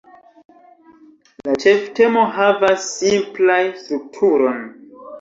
La ĉeftemo havas simplaj strukturon.